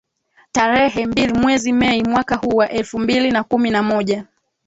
tarehe mbili mwezi mei mwaka huu wa elfu mbili na kumi na moja